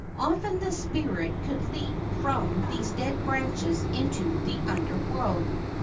Often the spirit could leap from these dead branches into the Under¬ world.